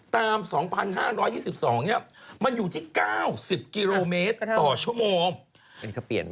๒๕๒๒มันอยู่ที่๙๐กิโลเมตรต่อชั่วโมง